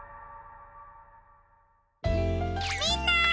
みんな！